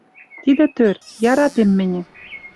«Тидӹ тӧр: яратем мӹньӹ.